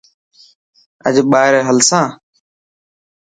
اڄ ٻاهر هلسان؟